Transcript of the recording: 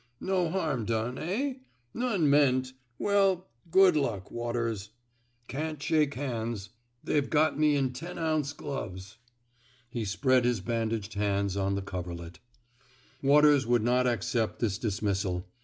*' No harm done, eh! None meant. ... Well, good luck. Waters. Can't shake hands. They've got 192 TEAINING '^ SALLY" WATEES me in ten ounce gloves.'* He spread his bandaged hands on the coverlet. Waters would not accept this dismissal.